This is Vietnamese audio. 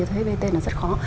thuế vat là rất khó